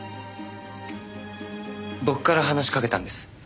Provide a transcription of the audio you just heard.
僕から話しかけたんです。